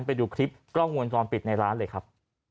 ไปดูคลิปกล้องวงจรปิดในร้านเลยครับ